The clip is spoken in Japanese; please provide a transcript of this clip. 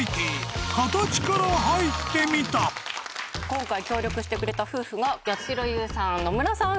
今回協力してくれた夫婦がやしろ優さん野村さん